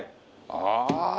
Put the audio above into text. ああ。